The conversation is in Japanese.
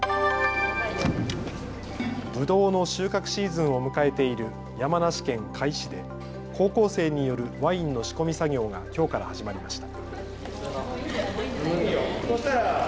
ぶどうの収穫シーズンを迎えている山梨県甲斐市で高校生によるワインの仕込み作業がきょうから始まりました。